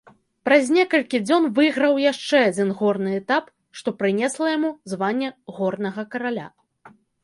Праз некалькі дзён выйграў яшчэ адзін горны этап, што прынесла яму званне горнага караля.